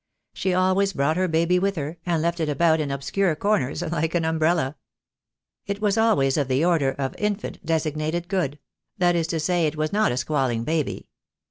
She always brought her baby with her, and left it about in obscure corners, like an umbrella. It was always of the order of infant designated good; that is to say it was not a squalling baby.